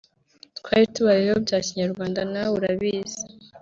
twari tubayeho bya Kinyarwanda na we urabizi